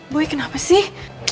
boy kenapa sih